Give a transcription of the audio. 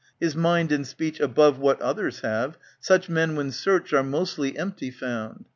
His mind and speech above what others have. Such men when searched are mostly empty found.